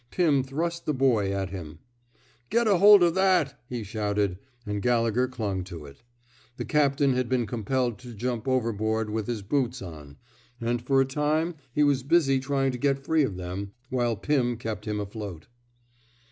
Pim thrust the buoy at him. Get a hold of that,'' he shouted, and Gallegher clung to it. The captain had been compelled to jump overboard with his boots on; and for a 50 A CHARGE OF COWAEDICE time he was busy trying to get free of them, while Pirn kept him afloat.